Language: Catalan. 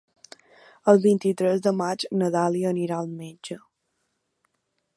El vint-i-tres de maig na Dàlia irà al metge.